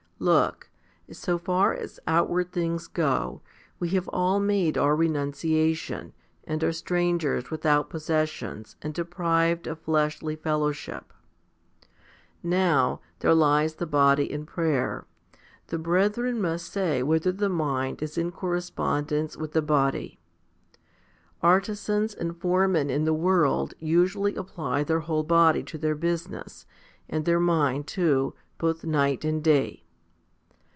Look, so far as outward things go, we have all made our renuntia tion, and are strangers, without possessions, and deprived of fleshly fellowship. Now, there lies the body in prayer ; the brethren must say whether the mind is in correspondence with the body. Artisans and foremen in the world usually apply their whole body to their business and their mind too, both night and day.